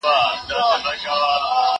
زه اوس د کتابتوننۍ سره خبري کوم؟!